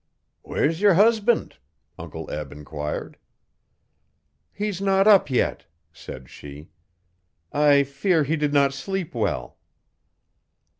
'Where's yer husband?' Uncle Eb enquired. 'He's not up yet,' said she, 'I fear he did not sleep well.